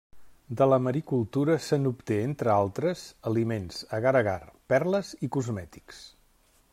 De la maricultura se n'obté entre altres, aliments, agar-agar, perles i cosmètics.